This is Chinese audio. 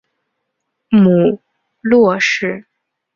母骆氏。